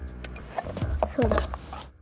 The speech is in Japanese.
そうだ。